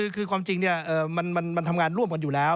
คือความจริงมันทำงานร่วมกันอยู่แล้ว